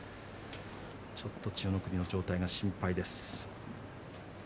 ちょっと千代の国の状態が心配です。